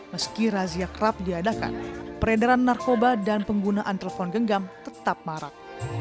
meski razia kerap diadakan peredaran narkoba dan penggunaan telepon genggam tetap marak